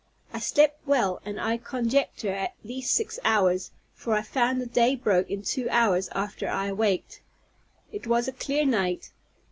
I slept well, and I conjecture at least six hours, for I found the day broke in two hours after I awaked. It was a clear night.